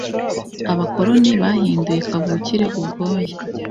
Abakoloni bahinduye kavukire ubwoya.